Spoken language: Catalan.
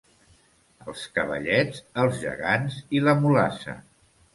Els Cavallets, els Gegants i la Mulassa.